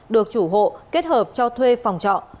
được chủ hộ kết hợp cho thuê phòng trọ